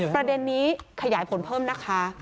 ประเด็นนี้ขยายผลเพิ่มนะคะ